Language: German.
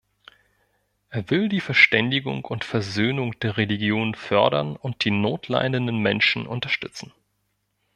Er will die Verständigung und Versöhnung der Religionen fördern und die notleidenden Menschen unterstützen.